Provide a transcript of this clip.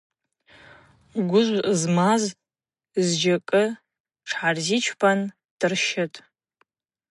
Гвыжв змаз зджьакӏы тшгӏайзырчпан дырщытӏ.